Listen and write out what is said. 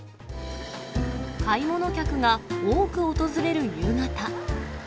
買い物客が多く訪れる夕方。